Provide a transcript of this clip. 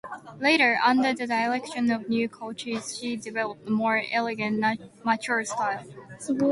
Later, under the direction of new coaches, she developed a more elegant, mature style.